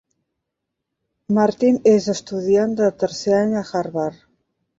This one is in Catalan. Martin és estudiant de tercer any a Harvard.